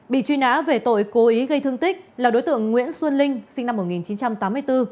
bị truy nã về tội cố ý gây thương tích là đối tượng nguyễn xuân linh sinh năm một nghìn chín trăm tám mươi bốn